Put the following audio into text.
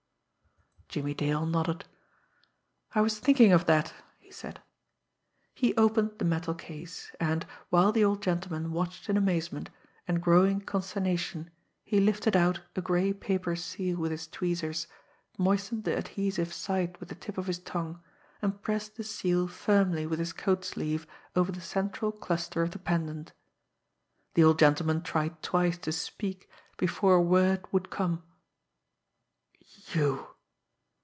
Jimmie Dale nodded. "I was thinking of that," he said. He opened the metal case; and, while the old gentleman watched in amazement and growing consternation, he lifted out a gray paper seal with his tweezers, moistened the adhesive side with the tip of his tongue, and pressed the seal firmly with his coat sleeve over the central cluster of the pendant. The old gentleman tried twice to speak before a word would come. "You!